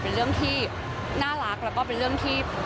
เป็นเรื่องที่น่ารักแล้วก็เป็นเรื่องที่